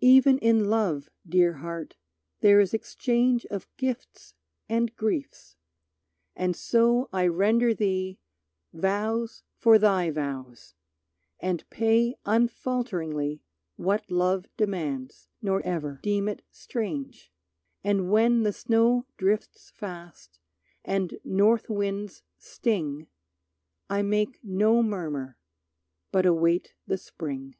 Even in love, Dear Heart, there is exchange Of gifts and griefs, and so I render thee Vows for thy vows, and pay unfalteringly What love demands, nor ever deem it strange. And when the snow drifts fast, and north winds sting I make no murmur, but await the Spring.